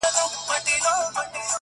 لکه برېښنا هسي د ژوند پر مزار وځلېده!!